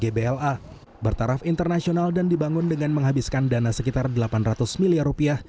gbla bertaraf internasional dan dibangun dengan menghabiskan dana sekitar delapan ratus miliar rupiah